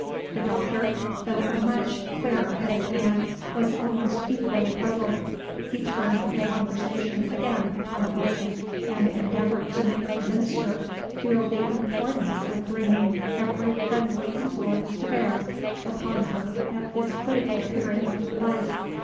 The Doctor, though a much clearer headed man, was almost equally puzzled. He turned the conversation again upon Elsie, and endeavored to make her minister feel the importance of bringing every friendly influence to bear upon her at this critical period of her life.